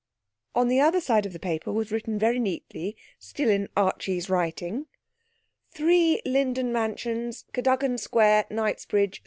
On the other side of the paper was written very neatly, still in Archie's writing: '3 LINDEN MANSIONS, CADOGAN SQUARE, KNIGHTSBRIDGE.